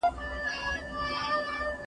د افغانستان خاوره د نورو پر ضد نه کارول کیده.